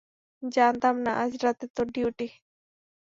জানতাম না আজ রাতে তোর ডিউটি।